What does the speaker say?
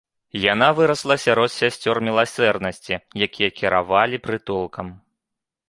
Яна вырасла сярод сясцёр міласэрнасці, якія кіравалі прытулкам.